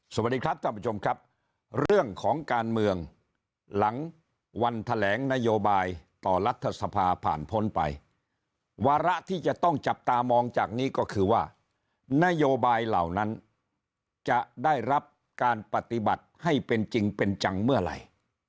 สวัสดีครับท่านผู้ชมครับเรื่องของการเมืองหลังวันแถลงนโยบายต่อรัฐสภาผ่านพ้นไปวาระที่จะต้องจับตามองจากนี้ก็คือว่านโยบายเหล่านั้นจะได้รับการปฏิบัติให้เป็นจริงเป็นจังเมื่อไหร่